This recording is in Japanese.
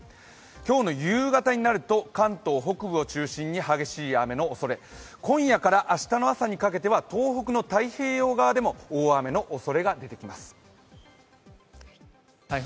今日の夕方になると関東北部を中心に激しい雨のおそれ、今夜から明日の朝にかけては、東北太平洋側でも大雨のおそれが出てきます。